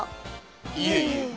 いえいえ。